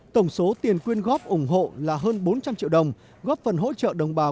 tổng số tiền quyên góp ủng hộ là hơn bốn trăm linh triệu đồng góp phần hỗ trợ đồng bào